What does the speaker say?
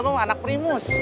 gue anak primus